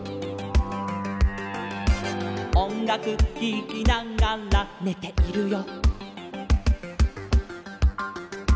「おんがくききながらねているよ」